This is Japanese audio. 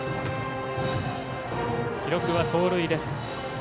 記録は盗塁です。